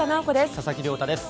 佐々木亮太です。